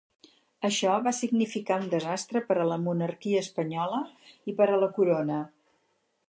Això va significar un desastre per a la Monarquia espanyola i per a la corona.